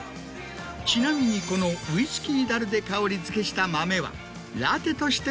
ちなみにこのウイスキー樽で香りづけした豆は。